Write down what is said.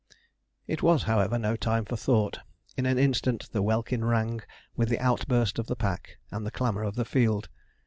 It was, however, no time for thought. In an instant the welkin rang with the outburst of the pack and the clamour of the field.